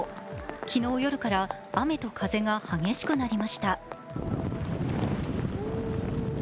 昨日夜から雨と風が激しくなりました。